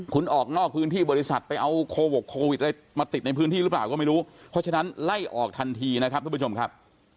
คุณออกนอกพื้นที่บริษัทไปเอาโควิดอะไรมาติดในพื้นที่หรือเปล่าก็ไม่รู้เพราะฉะนั้นไล่ออกทันทีนะครับทุกผู้ชมครับ